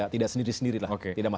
tidak sendiri sendiri lah